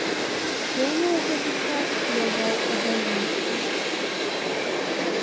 Тоня ў гэты час ляжаў у бальніцы.